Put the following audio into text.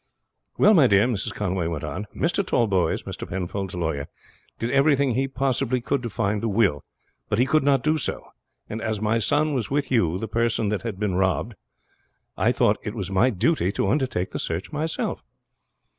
"Well, my dear," Mrs. Conway went on, "Mr. Tallboys, Mr. Penfold's lawyer, did everything he possibly could to find the will, but he could not do so; and as my son was with you the person that had been robbed, I thought it was my duty to undertake the search myself."